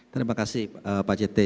terima kasih pak cethe